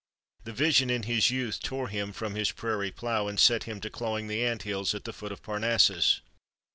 The vision, in his youth, tore him from his prairie plow and set him to clawing the anthills at the foot of Parnassus.